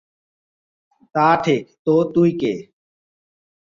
তা ঠিক, তো তুই কে?